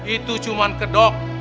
itu cuma kedok